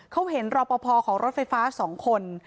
เขาเห็นรอปภของรถไฟฟ้า๒คน